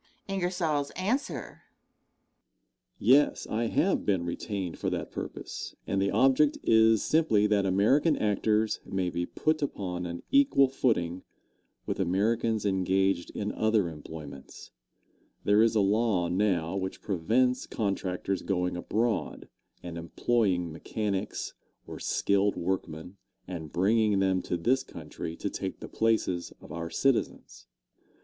Answer. Yes, I have been retained for that purpose, and the object is simply that American actors may be put upon an equal footing with Americans engaged in other employments. There is a law now which prevents contractors going abroad and employing mechanics or skilled workmen, and bringing them to this country to take the places of our citizens.